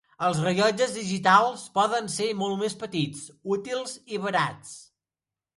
Els rellotges digitals poden ser molt més petits, útils i barats.